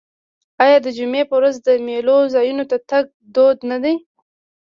آیا د جمعې په ورځ د میلو ځایونو ته تګ دود نه دی؟